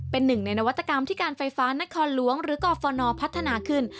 เป็นหนึ่งในนวัตกรรมที่การไฟฟ้านครหลวงหรือกรฟนพัฒนาขึ้น